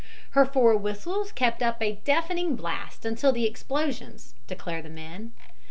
Her four whistles kept up a deafening blast until the explosions, declare the men.